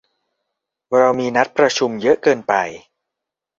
เรามีนัดประชุมเยอะเกินไป